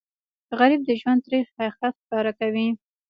غریب د ژوند تریخ حقیقت ښکاره کوي